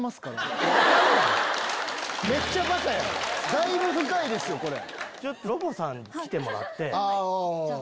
だいぶ深いですよこれ。